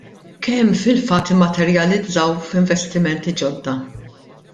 Kemm fil-fatt immaterjalizzaw f'investimenti ġodda?